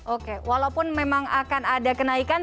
oke walaupun memang akan ada kenaikan